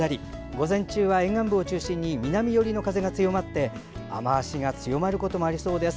午前中は沿岸部を中心に南寄りの風が強まって雨足が強まることもありそうです。